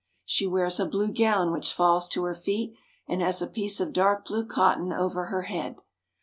She wears a blue gown which falls to her feet, and has a piece of dark blue cotton over her head.